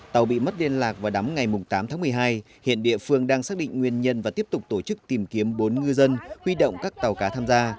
tàu bị mất liên lạc vào đám ngày tám tháng một mươi hai hiện địa phương đang xác định nguyên nhân và tiếp tục tổ chức tìm kiếm bốn ngư dân huy động các tàu cá tham gia